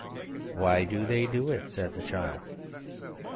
"Why do they do it?" said the child.